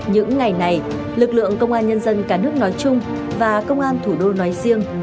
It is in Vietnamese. những ngày này lực lượng công an nhân dân cả nước nói chung và công an thủ đô nói riêng